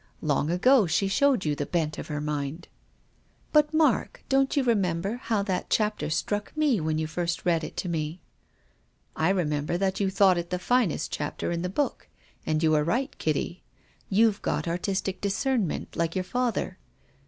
Long ago she showed you the bent of her mind." " But, Mark, don't you remember how that chapter struck me when you first read it to me ?"" I remember that you thought it the finest chapter in the book, and you were right, Kitty. You've got artistic discernment, like your father.